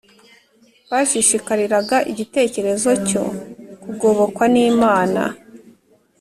bashishikariraga igitekerezo cyo kugobokwa n’imana,